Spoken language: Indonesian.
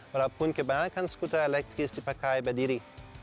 walaupun kebanyakan skuter elektris dipakai berdiri